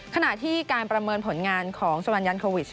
ขณะที่การประเมินผลงานของสมันยันโควิช